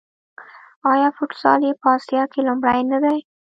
آیا فوټسال یې په اسیا کې لومړی نه دی؟